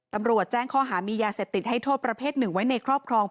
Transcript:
ตำรวจแจ้งข้อหามียาเสพติดให้โทษประเภทหนึ่งไว้ในครอบครอง